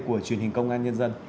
của truyền hình công an nhân dân